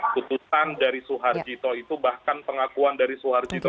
putusan dari suharjito itu bahkan pengakuan dari suharjito